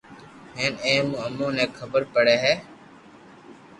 ھين اي مون امون ني خبر پڙي ھي